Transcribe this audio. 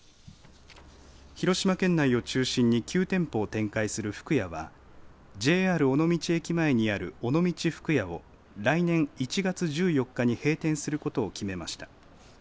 広島県内を中心に９店舗を展開する福屋はＪＲ尾道駅前にある尾道福屋を来年１月１４日に閉店することを決めました。